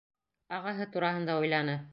Ағаһы тураһында уйланы.